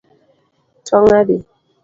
Tong adi?